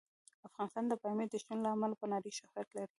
افغانستان د پامیر د شتون له امله په نړۍ شهرت لري.